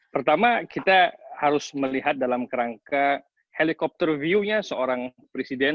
pertama kita harus melihat dalam kerangka helikopter view nya seorang presiden